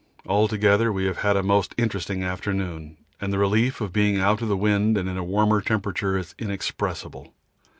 Altogether we have had a most interesting afternoon, and the relief of being out of the wind and in a warmer temperature is inexpressible.